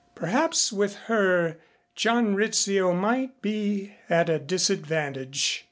Perhaps with her John Rizzio might be at a disadvantage.